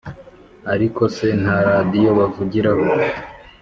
ariko se nta radiyo bavugiraho